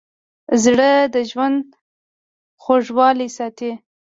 زړه د ژوند خوږوالی ساتي.